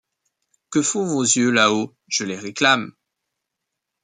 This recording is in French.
Que font vos yeux là-haut? je les réclame.